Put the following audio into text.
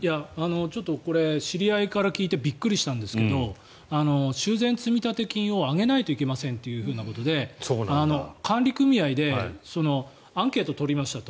これ、知り合いから聞いてびっくりしたんですが修繕積立金を上げないといけませんということで管理組合でアンケートを取りましたと。